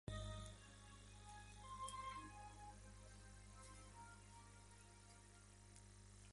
En la actualidad, el balneario pertenece al Sindicato de Empleados de Comercio.